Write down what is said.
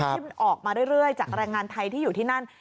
ที่มันออกมาเรื่อยจากแรงงานไทยที่อยู่ที่นั่น